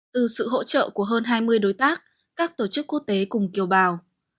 từ sự hỗ trợ của hơn hai mươi đối tác các tổ chức quốc tế cùng kiều bào